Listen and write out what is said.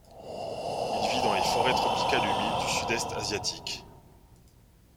Il vit dans les forêts tropicales humides du sud-est asiatique.